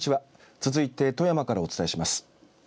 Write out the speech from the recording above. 続いて富山からお伝えします。